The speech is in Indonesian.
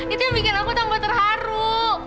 itu yang bikin aku tambah terharu